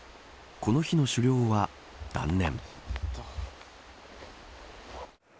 この日の狩猟は断念。